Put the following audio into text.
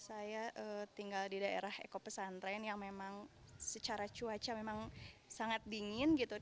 saya tinggal di daerah eko pesantren yang memang secara cuaca memang sangat dingin gitu